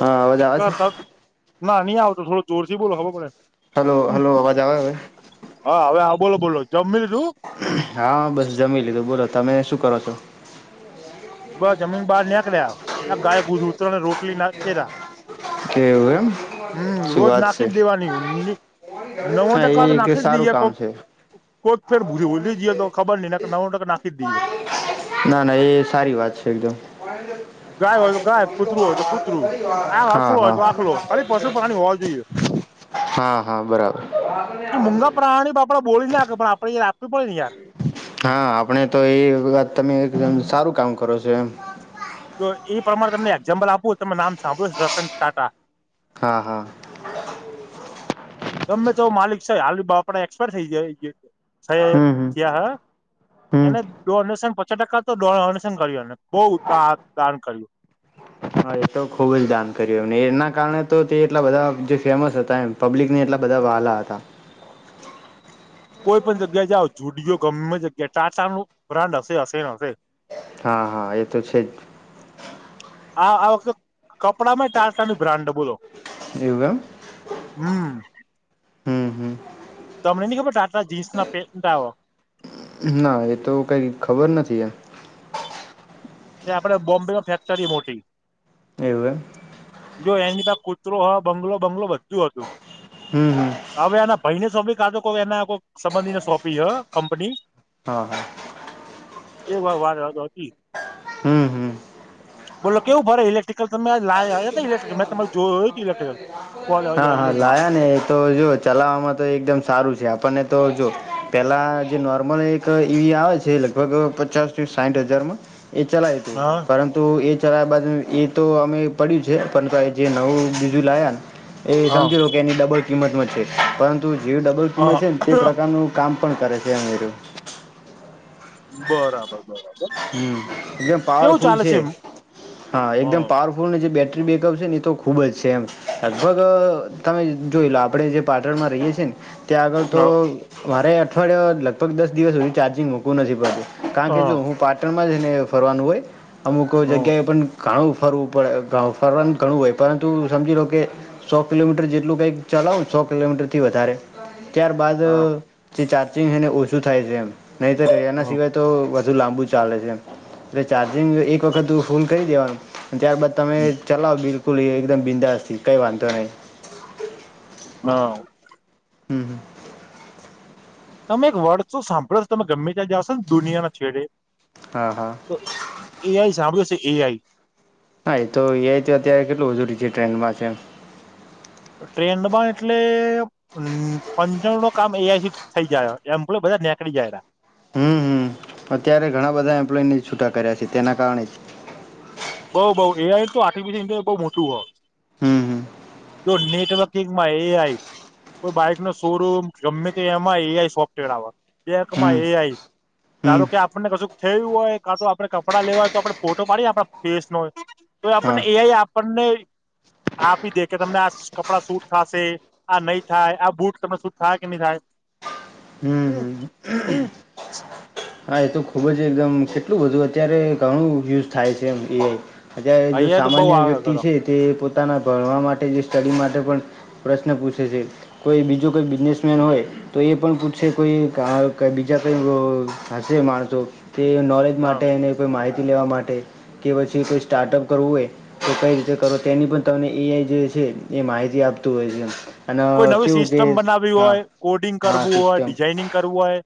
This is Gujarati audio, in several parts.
હા અવાજ આવે છે? ના ની આવતો થોડો જોરથી બોલો ખબર પડે હાલો હાલો અવાજ આવે અવે? હ હવે બોલો બોલો જમી લીધુ હા બસ જમી લીધું બોલો તમે શું કરો છો? બસ જમીન બહાર નીકળ્યા ગાય ગૂ ઉતર ને રોટલી ના [unintelligible] કેવું એમ હમ શું રોજ વાત છે નાખી જ દેવાની ઊડી નવો હા ટકા તો એ એક નાખી જ સારું દીએ કામ કોક છે [unintelligible] ભૂલી જઈએ તો ખબર ની નવ નાખી દીએ ના ના એ સારી વાત છે, એકદમ ગાય હોય તો ગાય કૂતરું હોય તો કૂતરું આ હા આખલો હોય હા. તો આખલો ખાલી પશુ પ્રાણી હોવા જોઈએ હા હા એ મૂંગા બરાબર પ્રાણી ઓપડા બોલી નાખે પણડે યાર આપવી પડે નેયાર હા આપણે તો એ વાત તમે એકદમ સારું કામ કરો છો એમ તો એ પ્રમાણે તમને એક્ઝામ્પલ આપું તમે નામ સાંભળ્યું રતન ટાટા હા હા. ગમે તો માલિક છે, [unintelligible] એક્સપાયર થઈ જાય થયા હમ હમ થયા હે હમ એને જ ડોનેશન પચા ટકા તો ડોનેશન કર્યું અને બઉ દા દાન કર્યું હ. હા એ તો ખુબ જ દાન કર્યું એમને એના કારણે તો તે એટલા બધા જે ફેમસ હતા એમ પબ્લિકને એટલા બધા વાલા હતા. કોઈ પણ જગ્યા જાઓ જુડિયો ગમે જગ્યા ટાટા નુ બ્રાન્ડ હશે હશે હશે. હા હા એ તો છે, જ આ આ વખતે કપડામાં ટાટા ની બ્રાન્ડ બોલો એવુ એમ હમ. હમ હમ. તમે ને ની ખબર ટાટા જીન્સ ના પેન્ટ લાવો. ના એ તો કઈ ખબર નથી એમ. એ આપડે બોમ્બે માં ફેક્ટરી મોટી એવું એમ જો એની પા કૂતરો હ બંગલો બંગલો બધું હતું હમ્મ હમ્મ હવે એના ભાઈ ને સોંપી કાજો કોઈ એના કોઈ સંબંધીને સોંપી હ કંપની હા એ વા વાત વા હતી હમ્મ હમ્મ બોલો કેવું ભરે ઈલેક્ટ્રિકલ તમે આજે લયા્યા તા ઈલેક્ટલ મેં તરે જોયું ઇક્ટ્રિકલ હા હા લાયા ને એ તો જો અ ચલાવવામાં તો એકદમ સારું છે આપણને તો જો પહેલાં જે નોર્મલ એક તો ઈવી આવે છે લગભગ પચાસ થી સાઠ હજારમાં એ ચલાયુ તું હા પરંતુ તો એ ચલા્યા બાદ એ તો અમે પડ્યું છે પણ જે નવું બીજું લાયા એ હા સમજી લો કે એની ડબલ કિંમતમાં છે પરંતુ જે ડબલ કિંમત હા છે ને તે પ્રકારનું કામ પણ કરે છે અમેરું બરાબર બરાબર હમ્મ એકદમ કેવું પાવરફુલ ચાલે છે હા એકદમ પાવ ફોનની જે બેટરી બેકઅપ છે એ તો ખૂબ જ છે એમ લગભગ તમે જોઈ લો આપણે જે પાટણમાં રહીએ છીએ ને ત્યાં આગળ તો હા મારે અઠવાડય લગભગ દિવસ સુધી ચાર્જિંગ મૂકવું નથી કારણ કે હા જો હું પાટણમાં જ ને ફરવાનું હોય અમુક હા જગ્યા એ પણ ઘાણું ફરવું પડે ફરવાનું ઘણું હોય પરંતુ સમજી લો કે સો કિલોમીટર જેટલું કઈક ચલાવ સો કિલોમીટર થી વધારે ત્યાર બાદ હા જે ચાર્જિંગ હે ને એ ઓછું થાય છે એમ નહીતર એના હા સિવાય તો વધુ લાંબુ ચાલે છે એમ એટલે ચાર્જિંગ એક વખતું ફૂલ કરી દેવાનું અને ત્યારબાદ તમે ચલાવો બિલકુલ એ એકદમ બિંદાસથી કંઈ વાંધો નહીં હા હમ્મ હમ્મ તમે એક વર્ડ તો સાંભળો છો તમે ગમે ત્યાં જશો ને દુનિયા ના છેડે હા હા તો એઆઈ સાંભળ્યો હશે એઆઈ હા એ તો એઆય તો અત્યારે કેટલું [unintelligible] ટ્રેન્ડ માં છે એમ ટ્રેન્ડ માં એટલે હમ્મ પચાણુ ટકા કામ એઆઈ થઇ જાય હ એમ્પ્લોય બધા નેકળી ચાયલા હમ્મ હમ્મ અત્યારે ઘણા બધા એમ્પ્લોયને છૂટા કર્યા છે તેના કારણે જ બઉ બઉ એ આઈ તો આર્ટિફિશિલ ઈન્ટેલિજન્સ બઉ મોટું હો હમ્મ જો નેટવર્કિંગ માં એઆઈ કો બાઈક નો શોરૂમ ગમે તેમાં ઈ એમાં એઆઈ સોફ્ટવેર આવે બેકમાં હમ એઆઈ ધારો હમ કે આ આપણને કશું થયું હોય કા તો આપડે કપડા લેવા હોય તો આપડણે ફોટો પાડીએ આપ ફેસ નોય તો હા આપણને એઆઈ આપણને આપી દે કે તમને આ કપડા સૂટ થાશે આ નહી થાય આ બુટ તમને સુટ થાય કે નહી થાય હમ હમ હમ હમ હા એ તો ખુબ જ એકદમ કેટલું બધું અત્યારે ઘણું યુઝ થાય છે એમ એઆઈ અત્યારે જો અહિયાં તો બઉ સામાન્ય આવે વ્યક્તિ કરો છે તે પોતાના ભણવા માટે જે સ્ટડી માટે પણ પ્રશ્ર પુસે છે. કોઈ બીજું કોઈ બિઝનેસમેન હોય તો એ પણ પૂછશે કોઈ કા બીજા કોઈ અ હશે માણસો તે નોલેજ હા માટે એને કોઈ માહિતી લેવા માટે. કે પછી કોઈ સ્ટાર્ટઅપ કરવું હોય. તો કઈ રીતે કરો તેની પણ તમને એઆઈ જે છે એ માહિતી આપતું હોય છે. અને કોઈ નવી કેવું સિસ્ટમ કે બનાવવી હા હોય, કોડિંગ હા કરવું હોય, સિસ્ટમ ડિઝાઈનિંગ કરવું હોય.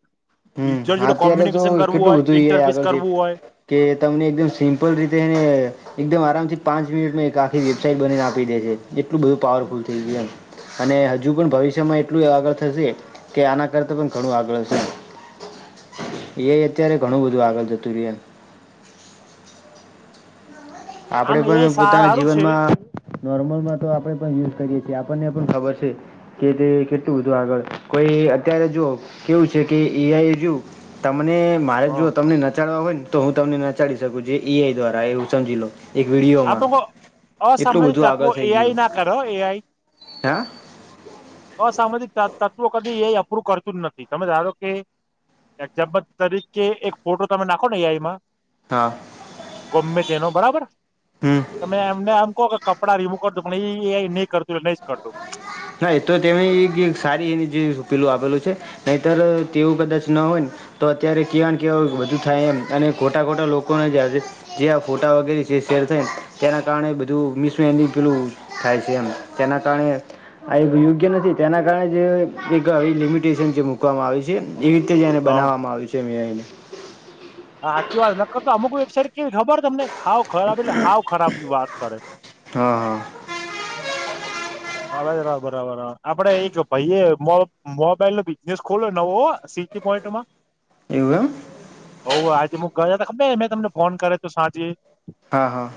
હમ [inaudible] હા જોડે અત્યારે તો કોમ્યુનિકેશન કરવું કેટલું હોય, બધું એ ઇન્ટરપીસ આગળ છે કરવું હોય. કે તમને એકદમ સિમ્પલ રીતે એને એકદમ આરામથી પાંચ મિનિટમાં એક આખી વેબસાાઈટ બનીને આપી દે છે. એટલું બધું પાવરફુલ થઈ ગયું એમ. અને હજુ પણ ભવિષ્યમાં એટલું આગળ થશે કે આના કરતા પણ ઘણું આગળ હશે. એઆઈ અત્યારે ઘણું બધું આગળ જતું રહ્યું એમ. આપડે આમ એ પણ પોતાના સારું છે જીવનમાં નોર્મલમાં તો આપડે પણ યુઝ કરીએ છીએ. આપણને પણ ખબર છે. કે તે કેટલું બધું આગળ કોઈ અત્યારે જો કેવું છે કે એઆઈ જો તમને મારે હ આ જોઓ તમને નચાડવા હોય ને. તો હું તમને નચાડી શકું. જે એ આઈ દ્વારા એવું સમજી લો. એક હા વિડીયોમાં તો પણ એટલું અસામાજિક બધું તત્વ આગળ થઈ એઆઈ ગયું ના કર હો એઆઈ. હા? અસામાજિક તત્વો કદી એઆઈ અપ્રુવ કરતું જ નથી. તમે ધારો કે એક્ઝામ્પલ તરીકે એક ફોટો તમે નાખો ને એ આઈમાં હા ગમે તેનો બરાબર હમ તમે એમને એમ કહો કે કપડા રીમૂવ કર દઉ પણ એ એઆઈ નઈ કરતું એ નહી જ કરતું. હા એ તો તેમે એક સારી એની જે પેલું આપેલું છે. નહીતર તેવું કદાચ ન હોય ને. તો અત્યારે કેવાને કેવા બધુ થાય એમ અને ખોટા ખોટા લોકોને જે આજે જે આ ફોટા વગેરે જે શેર થાય તેના કારણે બધું મિસમે પેલું થાય છે એમ. તેના કારણે આ એ યોગ્ય નથી. તેના કારણે જે એક આવી લિમિટેશન જે મૂકવામાં આવી છે. એવી રીતે જ એને બનાવવામાં આવ્યું છે એમ એઆઇને હાચી વાત નકર તો અમુક વેબસાઇટ કેવી ખબર તમને હાવ ખરાબ એટલે હાવ ખરાબ વાત કરે. હહ હહ આવેજ રો બરાબર હા આપડે એક ભાઈએ મો મોબાઈલ નો બિઝનેસ ખોલો નવો સીટી પોઈન્ટમાં. એવું એમ? હોવે આજે મુ ગયા તા ખબર હે મેં તમને ફોન કર્યો તો સાંજે. હા હા.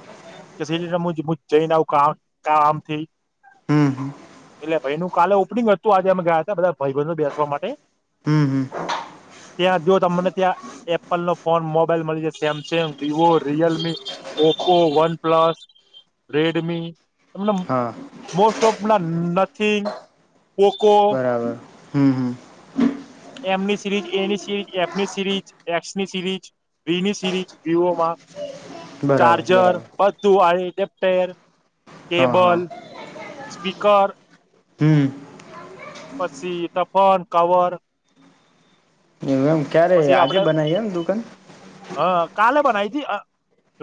કે સિરી રમુ જઈને કામ કામથી હમ હમ એટલે ભાઈનું કાલે ઓપનિંગ હતું આજે અમે ગયાતા બધા ભાઈબંધો બેસવા માટે. હમ હમ. ત્યાં જો તમને ત્યાં એપલનો ફોન મોબાઈલ મળી જાય Samsung Vivo, Realme, Oppo, one plus, Redmi તમને હા. મોસ્ટ ઓફ ના નથિંગ બરાબર હમ હમ. એમની સિરીઝ એની સિરીઝ એક્સની સિરીઝ બીની સિરીઝ વિવોમાં બરાબર ચાર્જર બરાબર બધુ વાળી [unintelligible] હા હા કેબલ સ્પીકર હમ. પછી તફાન કવર એવ એમ ક્યારે પછી આજે આપડે બનાવીએ એમ દુકાન હ કાલે બનાતી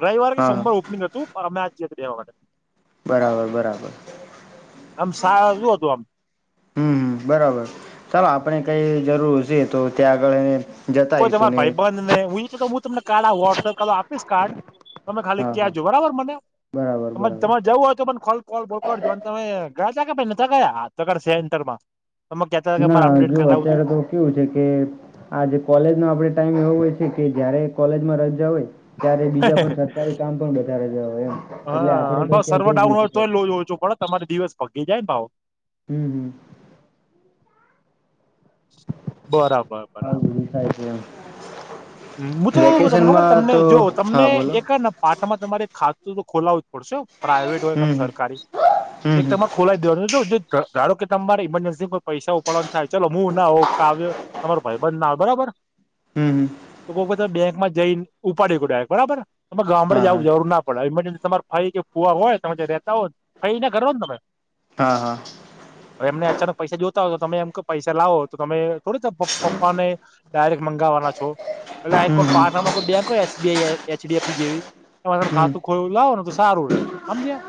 રવિવાર કે હા સોમવાર ઓપનિંગ હતું જ બરાબર બરાબર [unintelligible] આમ સા જો હતું આમ હમ્મ હમ બરાબર ચાલો આપણે કઈ જરૂર હશે ત્યાં આગળ કોઈ જતાઈશું તમાર ને ભાઈ બંધ નહીને હું ઈ તો હું તમને વોટ્સપ કોતો આપીશ કાર્ડ તમે ખાલી હા હા ક્યાં જો બરાબર મને બરાબર બરાબર તમારે જવું હોય તો પણને કોલ [inaudible] તમે કેતા મારે ના અપડેટ જો કરાવતુ અત્યારે તો કેવું છે, કે આ જે કોલેજનો આપે ટાઈમ એવો હોય છે, કે જયારે કોલેજમાં રજા હોય ત્યારે બીજા પણ સરકારી કામ પણ વધારે ગયા હોય એમ એટલે હા આપડે અને તો ભાવ ક્યાં સર્વર જઈ ડાઉન જ હોય નથી તોય લો શક ઓછો પડે તમારે દિવસ ભગી જાય ને ભાવ હમ્મ હમ્મ. બરાબર. બરાબર [inaudible] હું તો એવું કઉ તને ખબર વેકેશનમાં તમને તો જો હા તમને બોલો એક ન પાઠમાં તમારે ખાતું તો ખોલાવું જ પડશે પ્રાાઈવેટ હોય કે હમ હમ સરકારી હમ એક હમ તમારે ખોલાઈ દેવાનું ધારો કે તમારા ઇમરજન્સીમાં ઉપાડવાને થાય ચાલો ના હોઉ કાવય તમાર ભાઈ બંધના બરાબર. હમ્મ, હમ્મ. તો કો તમે બેંકમાં જઈને ઉપાડી ડાય બરાબર તમે ગામડે હા જવું હા જરૂર ના પડે ઈમરજન્સી તમારે ફરી કે ફુવા તમે રહેતા હોય ને ફઈ ને કરો ને તમે હા, હા. એમને અચાનક પૈસા જોતા હોય તો તમે એમ કે પૈસા લાવો તો તમે થોડી પો પપ્પાને ડાયરેક્ટ મંગાવવાના છો એટલે હમ હમ પાર્ટ નંર બેંક હોય S B I, H D F જેવી તમે હમ ખાાતુંલાવો ને તો સારું રે હમજયા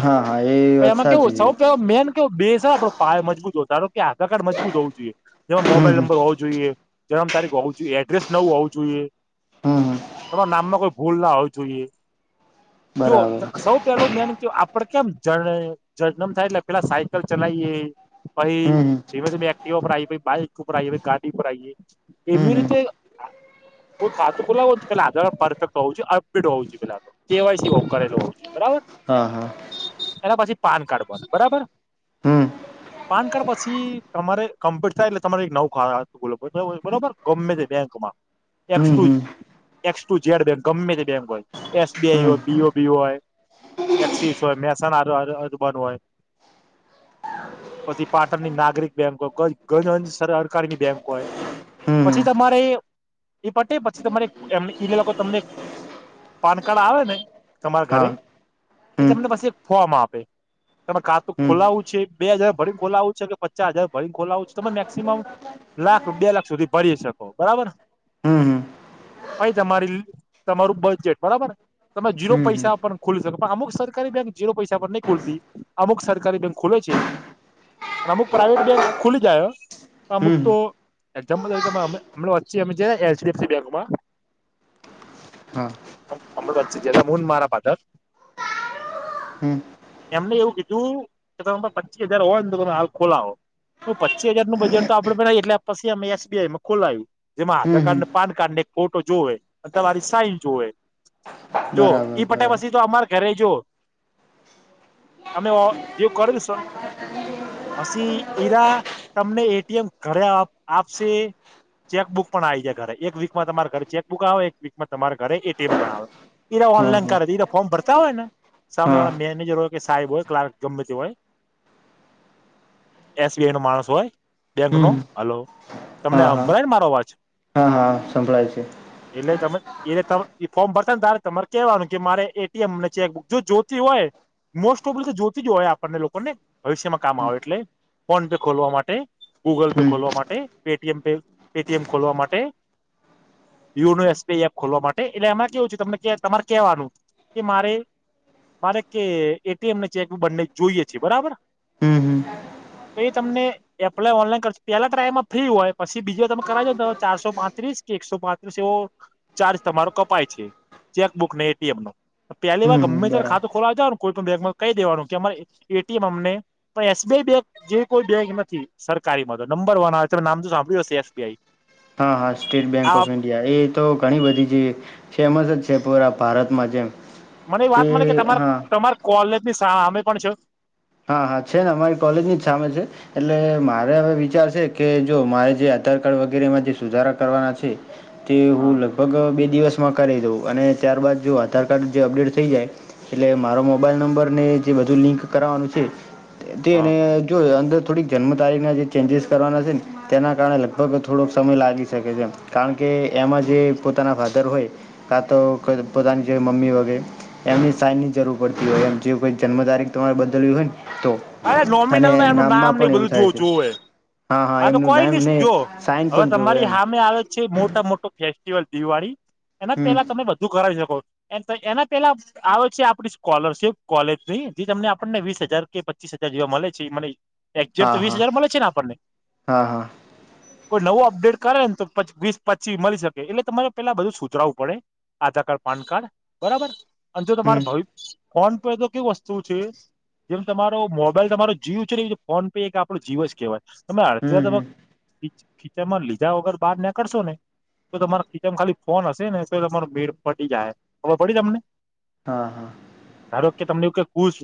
હા હા એ પછી વાત એમા સાચી સો છે કેવ મેન કેવુ બેઝ આપણે મજબૂત હોયો કે આધાર કાર્ડ મજબૂ હોવું જોઈએ જેમાં મોબાઈલ હમ હમ નંબર હોવો જોઈએ જન્મ તારીખ હોવું જોઈએ ડ્રેસ નવું હોવું જોઈએ હમ હમ તમારા નામમાં કોઈ ભૂલ ના હોવી જોઈએ. જો બરાબર સૌ પેલું મે આપડે કેમ જ એટલે પેલા સાયકલ ચલાવીયે પહી હમ ધીમે ધીમે એક્ટિવા પર આવીઈએ બાઈક ઉપર આવીઈએ ભગાડી પર આઈએ એવી રીતે હા. કોઈ ખાતું ખોલાવ [unintelligible] હોવુ પરફેક્ટ હોવુ પેલા કેવાયસીઓ કરેલો હોવ જોઈએ બરાબર હા, હા. એના પછી પાન કાડૅ બને બરાબર. હમ્મ. પાન કાર્ડ પછી તમારે કમ્પ્યુટ થાય એટલે તમારે એક નવું ખો બરોબર ગમે તે બેંક કોમા એક્સ હમ ટુ હમ હમ હમ એક્સ ટુ જેડ બેંક ગમે તે બેંક હોય એસ બી આઈ હમ હોય, બી ઓ બી હોય એક્સિસ હોય, મેસાના આર અરબન હોય પછી પાટણની નાગરિક બેંક હોય કઈ ગર ગજંન સરકારની બેંક હોય. પછી તમારે ઈ પટે પછી તમારે ઈ એમ ઈ લોકો તમને પાન કાર્ડ આવે ને તમારા હા ઘરે હમ એ હમ તમને પાછી ફોમ આપે. તેમાં ખાતું હમ ખોલાવું છે બે હજાર ભરીને ખોલાવું છે કે પચાસ હજાર ભરીને ખોલાવું છે, તમે મેક્સિમમ લાખ બે લાખ સુધી ભરી શકો, બરાબર. હમ હમ પાઈ તમારી તમારું બજેટ બરાબર. તમે જીરો હમ પૈસા પર ખોલી શકો પણ અમુક સરકારી બેંક જીરો પૈસા પર નહીં ખોલતી. અમુક સરકારી બેંક ખોલે છે. અને અમુક પ્રાઈવેટ બેંક ખોલી જાય અમુક હમ તો એક્ઝામ્પલ તરીકે પર અમે અમે છી અમે જયા એચ ડી એફ સી બેન્કમાં. હા આમ અમુ હું ને મારા ફાધર. હમ્મ. એમને એવું કીધું કે તમે પચી હજાર હોય ને તમે હાલ ખોલાવો. શું પચી હજારનું બજેટ આપડે એટલે પછી અમે એસ બી આઈ માં ખોલાયું. જેમાં આધાર હમ હમ કાર્ડ, પાન કાર્ડ ને એક ફોટો જોવે અને તમારી સાઈન જોવે. જો બરાબર ઈ પટ્યા બરાબર પછી તો અમાર ઘરે જો અમને ઓ જે કરું શે પસી ઈરા તમને એ ટી એમ ઘરે આપશે ચેકબુક પણ આવી જાય ઘરે એક વીકમાં તમારા ઘરે ચેકબુક આવ. એક વીકમાં તમારા ઘરે એ ટી એમ પણ આવે. ઈરા હા ઓનલાઈન હા કર દી. ઈરા ફોર્મ ભરતા હોય ને સામે હા વાળા મેનેજર હોય કે સાહેબ હોય ક્લાર્ક ગમેતે હોય. એસ બી આઈ નો માણસ હોય બેંકનો હમ હલો તમને હા આમ હા ભય ને મારો અવાજ. હા હા. સંભળાય છે. એટલે તમે એલે તમે ફોર્મ ભરતા ને તારે તમારે કેવાનું કે મારે એ ટી એમ ને ચેકબુક જો જોતી હોય મોસ્ટઓપલીતો જોતી જ હોય આપણને લોકોને ભવિષ્યમાં કામ આવે એટલે ફોન પે ખોલવા માટે, ગૂગલ પે હમ ખોલવા માટે પે ટી એમ પે એ ટી એમ ખોલવા માટે. YONO S B I app ખોલવા માટે એટલે એમાં કેવું છેું તમને કે તમારે કેવાનું કે મારે મારે કે એ ટી એમ ને ચેક બુક બંને જોઈએ છે બરાબર. હમ હમ તો એ તમને એપ્લાય ઓનલાઈન કરસે પેલા ટ્રાયમાં ફ્રી હોય પસી બીજા તમે કરાઇદયો તો ચારસો પાંત્રીસ કે એકસો પાંત્રીસ એવો ચાર્જ તમારો કપાય છે. ચેકબુકને એ ટી એમ નો. પેલી વાર હમ હમ ગમે ત્યાર બરાબર ખાતું ખોલાવા જાવન કોઈ પણ બેંકમાં કઈ દેવાનું કે અમારે એ ટી એમ અમને પણ એસ બી આઈ બેક જેવી કોઈ બેંક નથી સરકારી મા નંબર વન આવે તમે નામ તો સાંભળ્યું હશે? આઈ હા હા સ્ટેટ બેન ઓફ ઇન્ એ તો ઘણી બધી જે ફેમસ જ છે, પૂરા ભારતમાં જેમ મને એવી તે વાત મલી કે તમાર હા તમાર કોલેજની સામેં પણ છ. હા હા છે, ને અમારી કોલેજ ની જ સામે છે. એટલે મારે હવે વિચાર છે, કે જો મારે જે આધાર કાર્ડ વગેરેમાં જે સુધારા કરવાના છે. તે હા હું લગભગ બે દિવસમાં કરી દઉં અને ત્યારબાદ જો આધાર કાર્ડ જે અપડેટ થઈ જાય એટલે મારો મોબાઈલ નંબર ને જે બધું લિંક કરાવાનું છે, હા તેને જો અંદર થોડીક જન્મ તારીખના જે ચેન્જીસ કરવાના છે, ને તેના કારણે લગભગ થોડોક સમય લાગી શકે છે, કારણ કે એમાં જે પોતાના ફાધર હોય કાતો પોતાની જે મમ્મી વગે એમની સાઈનની જરૂર પડતી હોય એમ જેવુ કોઈ જન્મ તારીખ તમાર બદલવી હોય ન તો અરે અને નોમિનલમાં એમનું નામમાં નામ ને પણ એ એવું બધું જો થાય છે જોવે હા હા આતો એમનું કોઈ નામ ની ને જો સાઈન હવે પણ જોવે તમારી એમ હામે આવે છે, મોટા મોટા ફેસ્ટિવલ દિવાળી એના હમ પેલા તમે બધું કરાવી શકો એ એના પેલા આવે છે, આપણી સ્કોલરશીપ કોલેજની જે તમને આપણને વીસ હજાર કે પ ચીસ હજાર જેવા મલે છે, મને એકજેટ હા તો વીસ હા હજાર મલે ને આપણ ને? હા હા કોઈ નવો અપડેટ કરે ને તો વીસ પચી મળી શકે એટલે તમારે પેલા બધું સુધારવું પડે આધાર કાર્ડ, પાન કાર્ડ બરાબર. અને જો તમારે હમ ભવ ફોન પરે તો કેવી વસ્તુ છે, જેમ તમા રો મોબાઈલ તમારો જીવ છે, ને ફોન પે કે આપડો જીવ જ કેહેવાય તમે હમ અડધ તમ હમ ખીચાનમાં લીધા વગર બહાર નાકળશો ને તો તમારા ખીચનમાં ખાલી ફોન હશે ને તો તમારો મેડ પટી જાય ખબર પડી તમને? હા, હા. ધારો કે તમને એવું કે કુશ